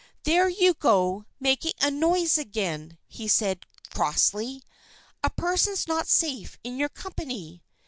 "There you go, making a noise again!" he said crossly. "A person's not safe in your company."